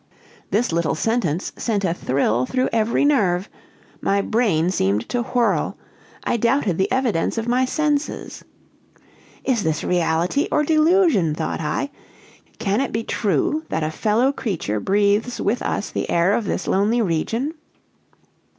"This little sentence sent a thrill through every nerve: my brain seemed to whirl. I doubted the evidence of my senses. "'Is this reality, or delusion?' thought I. 'Can it be true, that a fellow creature breathes with us the air of this lonely region?'